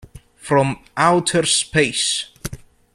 From Outer Space.